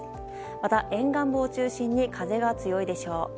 また沿岸部を中心に風が強いでしょう。